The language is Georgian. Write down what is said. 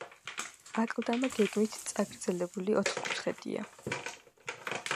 აკლდამა გეგმით წაგრძელებული ოთხკუთხედია.